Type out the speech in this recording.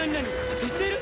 ＳＬ！？